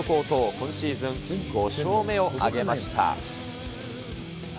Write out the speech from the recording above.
今シーズン５勝目を挙げました。